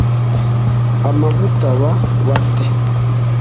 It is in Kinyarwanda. amavuta b ba te